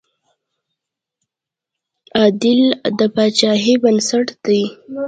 عدل د پاچاهۍ بنسټ دی.